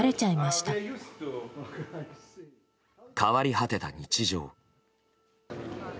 変わり果てた日常。